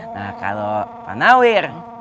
nah kalau pak nawir